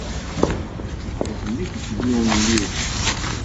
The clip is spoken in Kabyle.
Tezmek-d yiwen n yizen.